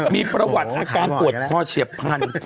มีบรรวจอาการปวดท่อเฉียบพัน